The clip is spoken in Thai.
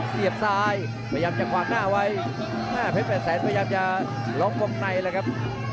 เสียบซ้ายพยายามจะขวางหน้าไว้เพชรแปดแสนพยายามจะล็อกวงในเลยครับ